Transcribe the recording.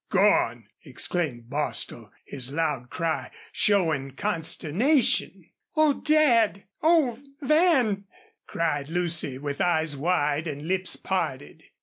'" "Gone!" exclaimed Bostil, his loud cry showing consternation. "Oh, Dad! Oh, Van!" cried Lucy, with eyes wide and lips parted.